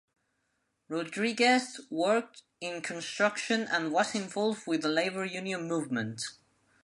Rodriguez worked in construction and was involved with the labor union movement.